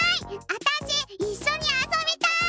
あたしいっしょにあそびたい！